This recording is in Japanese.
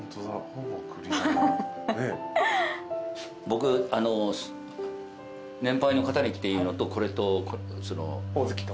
僕年配の方にっていうのとこれとほおずきと。